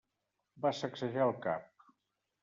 Va sacsejar el cap.